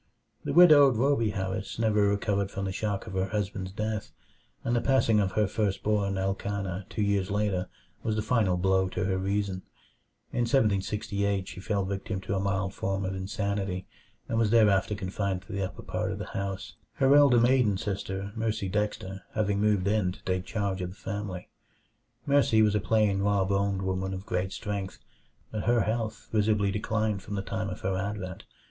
The widowed Rhoby Harris never recovered from the shock of her husband's death, and the passing of her first born Elkanah two years later was the final blow to her reason. In 1768 she fell victim to a mild form of insanity, and was thereafter confined to the upper part of the house; her elder maiden sister, Mercy Dexter, having moved in to take charge of the family. Mercy was a plain, raw boned woman of great strength; but her health visibly declined from the time of her advent.